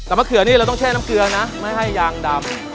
แต่มะเขือนี่เราต้องแช่น้ำเกลือนะไม่ให้ยางดำ